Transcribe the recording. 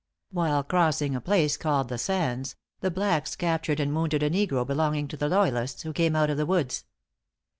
While crossing a place called the Sands, the blacks captured and wounded a negro belonging to the loyalists, who came out of the woods.